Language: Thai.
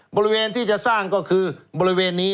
บริเวณที่จะสร้างก็คือบริเวณนี้